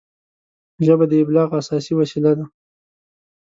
ژبه د ابلاغ اساسي وسیله ده